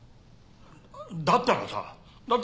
だったらさだっ